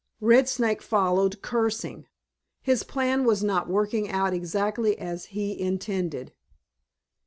Red Snake followed, cursing. His plan was not working out exactly as he intended.